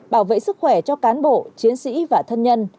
bảo vệ sức khỏe cho cán bộ chiến sĩ và thân nhân